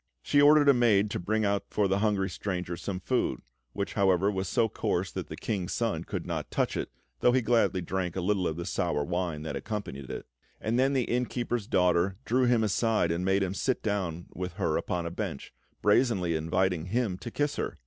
She ordered a maid to bring out for the hungry stranger some food, which, however, was so coarse that the King's Son could not touch it, though he gladly drank a little of the sour wine that accompanied it; and then the inn keeper's daughter drew him aside and made him sit down with her upon a bench, brazenly inviting him to kiss her.